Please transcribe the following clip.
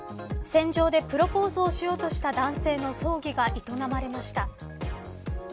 船上でプロポーズをしようとした男性の葬儀が営まれました。